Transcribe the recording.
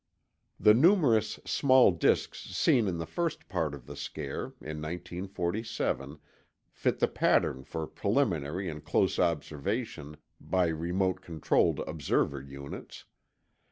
The numerous small disks seen in the first part of the scare, in 1947, fit the pattern for preliminary and close observation by remote controlled observer units.